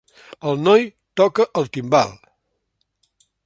El noi toca el timbal.